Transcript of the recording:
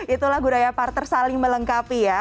itulah budaya parter saling melengkapi ya